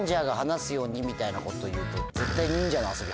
みたいなこと言うと。